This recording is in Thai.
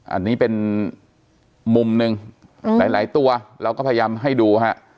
อันนี้เป็นมุมหนึ่งหลายตัวเราก็พยายามให้ดูฮะ